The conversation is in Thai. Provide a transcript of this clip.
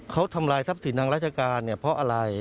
เขาทำลายทราบสินทางรัชกาเพราะอะไร